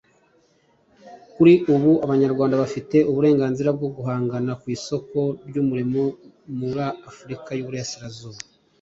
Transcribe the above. Kuri ubu Abanyarwanda bafite uburenganzira bwo guhangana ku isoko ry’umurimo muri Afurika y’Uburasirazuba